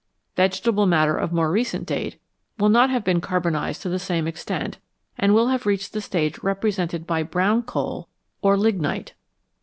Vegetable matter of more recent date will not have been carbonised to the same extent, and will have reached the stage represented by brown coal or NATURE'S STORES OF FUEL lignite.